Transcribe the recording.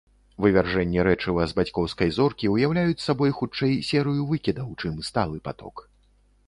Вывяржэнні рэчыва з бацькоўскай зоркі ўяўляюць сабой хутчэй серыю выкідаў, чым сталы паток.